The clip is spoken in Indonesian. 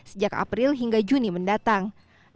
sejak april hingga juni mendatang